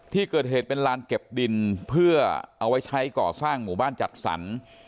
ที่เกิดเหตุเป็นลานเก็บดินเพื่อเอาไว้ใช้ก่อสร้างหมู่บ้านจัดสรร